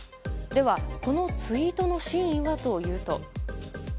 では、このツイートの真意はというと。